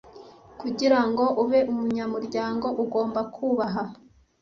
Kugira ngo ube umunyamuryango ugomba kubaha